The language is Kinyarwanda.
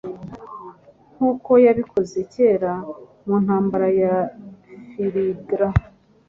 nkuko yabikoze kera mu ntambara ya Phlegra